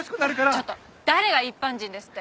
ちょっと誰が一般人ですって？